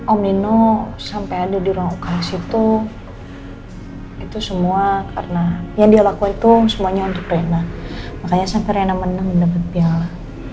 om nino sampai ada di ruang uks itu itu semua karena yang dia laku itu semuanya untuk rena makanya sampai rena menang dapet piala